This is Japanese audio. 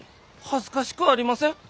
恥ずかしくありません。